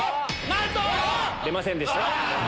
なんと‼出ませんでした。